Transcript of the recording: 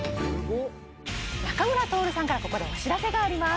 仲村トオルさんからここでお知らせがあります